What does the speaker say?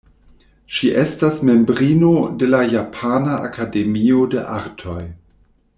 Ŝi estas membrino de la Japana Akademio de Artoj.